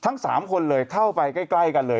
ทั้ง๓คนเลยเข้าไปใกล้กันเลย